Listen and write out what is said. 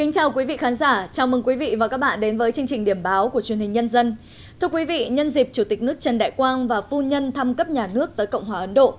các bạn hãy đăng ký kênh để ủng hộ kênh của chúng mình nhé